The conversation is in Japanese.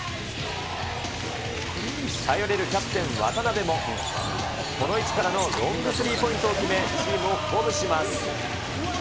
頼れるキャプテン、渡邊も、この位置からのロングスリーポイントを決め、チームを鼓舞します。